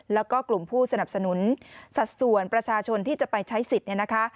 แล้วก็กลุ่มผู้สนับสนุนสัดส่วนประชาชนที่จะไปใช้สิทธิ์เนี่ยนะคะ